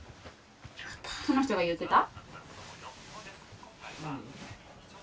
その人が言ってた？